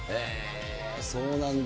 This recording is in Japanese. そうなんだ。